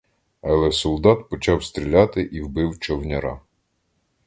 Але солдат почав стріляти і вбив човняра.